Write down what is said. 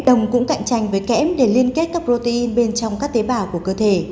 đồng cũng cạnh tranh với kẽm để liên kết các protein bên trong các tế bào của cơ thể